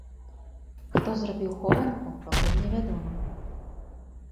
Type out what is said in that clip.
Хто зрабіў хованку, пакуль не вядома.